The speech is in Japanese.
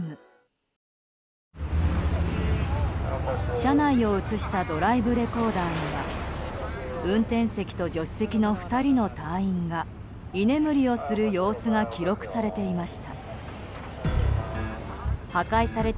車内を映したドライブレコーダーには運転席と助手席の２人の隊員が居眠りをする様子が記録されていました。